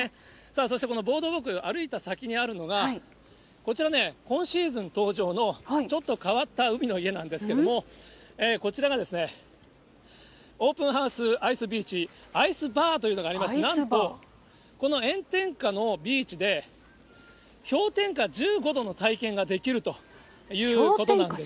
そしてこのボードウォーク、歩いた先にあるのが、こちら、今シーズン登場のちょっと変わった海の家なんですけれども、こちらがですね、オープンハウスアイスビーチ、アイスバーというのがありまして、なんと、この炎天下のビーチで、氷点下１５度の体験ができるということなんです。